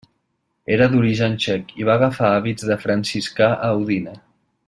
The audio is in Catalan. Era d'origen txec i va agafar hàbits de franciscà a Udine.